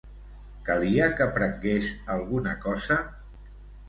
Calia que prengués alguna cosa?